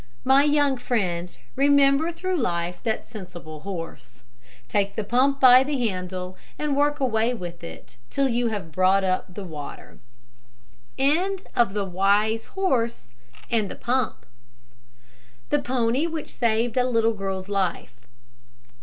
My young friends, remember through life that sensible horse. Take the pump by the handle, and work away with it till you have brought up the water. THE PONY WHICH SAVED A LITTLE GIRL'S LIFE.